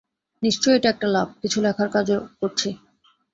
নিশ্চয়ই এটা একটা লাভ! কিছু লেখার কাজও করছি।